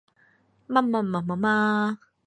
人种上与文化上已伊朗化。